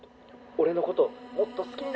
「俺のこともっと好きになってって」